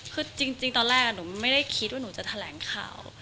คือจริงตอนแรกหนูไม่ได้คิดว่าหนูจะแถลงข่าว